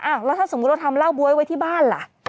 แล้วถ้าสมมุติเราทำเหล้าบ๊วยไว้ที่บ้านล่ะ